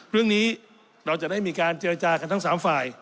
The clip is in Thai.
เรื่องนี้เราจะได้มีการเจรจากันทั้ง๓ฝ่าย